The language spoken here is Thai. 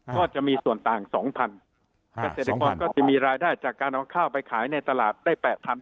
ก็จะมีส่วนต่าง๒๐๐เกษตรกรก็จะมีรายได้จากการเอาข้าวไปขายในตลาดได้๘๐๐